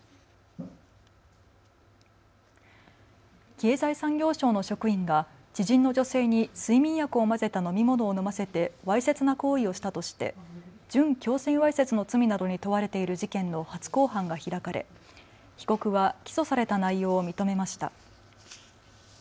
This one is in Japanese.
経済産業省の職員が知人の女性に睡眠薬を混ぜた飲み物を飲ませてわいせつな行為をしたとして準強制わいせつの罪などに問われている事件の初公判が開かれ被告は起訴された内容を認めました。